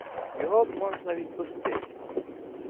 Його б можна відпустити.